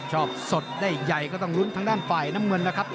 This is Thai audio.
สดได้ใหญ่ก็ต้องลุ้นทางด้านฝ่ายน้ำเงินนะครับ